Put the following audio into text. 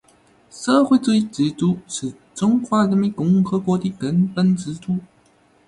社会主义制度是中华人民共和国的根本制度